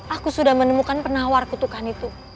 aku sudah menemukan penawar kutukan itu